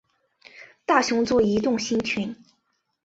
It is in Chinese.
大熊座移动星群